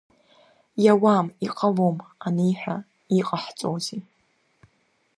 Иауам, иҟалом, аниҳәа иҟаҳҵозиз?